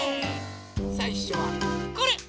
さいしょはこれ！